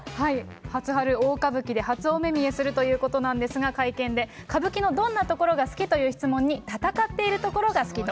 初春大歌舞伎で初お目見えするということなんですが、会見で、歌舞伎のどんなところが好きという質問に、戦っているところが好きと。